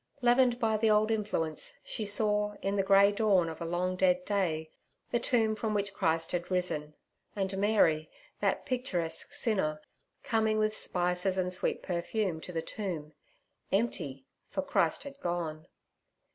Leavened by the old influence, she saw, in the grey dawn of a long dead day, the tomb from which Christ had risen, and Mary, that picturesque sinner, coming with spices and sweet perfume to the tomb—empty, for Christ had gone.